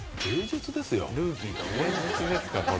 芸術ですか？